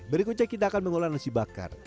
berikutnya kita akan mengolah nasi bakar